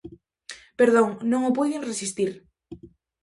Perdón, non o puiden resistir.